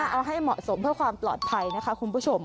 เอาให้เหมาะสมเพื่อความปลอดภัยนะคะคุณผู้ชม